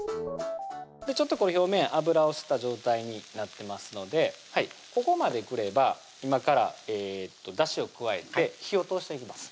ちょっとこの表面油を吸った状態になってますのでここまでくれば今からだしを加えて火を通していきます